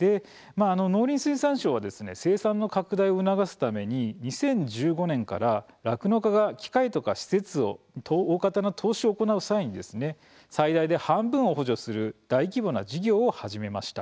農林水産省は生産の拡大を促すために２０１５年から酪農家が機械とか施設を大型の投資を行う際に最大で半分を補助する大規模な事業を始めました。